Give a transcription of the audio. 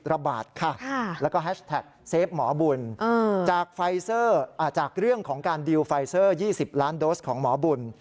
แล้วก็แฮชแท็กเซฟหมอบุญจากเรื่องของการดีลไฟเซอร์๒๐ล้านโดสของหมอบุญ